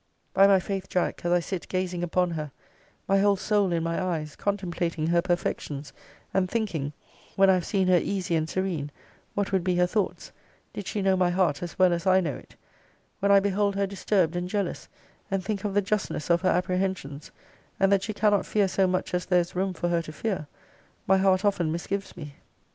By my faith, Jack, as I sit gazing upon her, my whole soul in my eyes, contemplating her perfections, and thinking, when I have seen her easy and serene, what would be her thoughts, did she know my heart as well as I know it; when I behold her disturbed and jealous, and think of the justness of her apprehensions, and that she cannot fear so much as there is room for her to fear; my heart often misgives me.